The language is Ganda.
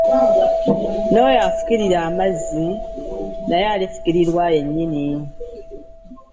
N'oyo afukirira amazzi, naye alifukirirwa yennyini.